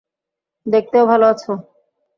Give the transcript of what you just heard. দেখতেও ভালো আছ।